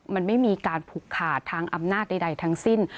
มันไม่มีการผูกขาดทางอำนาจใดทั้งสิ้น